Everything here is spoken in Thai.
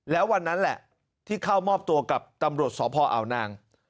แล้ววันนั้นแหละที่เข้ามอบตัวกับตำรวจสพอาวนาง